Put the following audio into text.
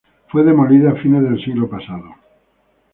Fue demolida a fines del siglo pasado.